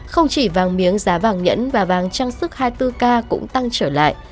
không chỉ vàng miếng giá vàng nhẫn và vàng trang sức hai mươi bốn k cũng tăng trở lại